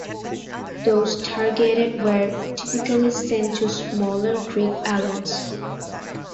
Those targeted were typically sent to smaller Greek islands.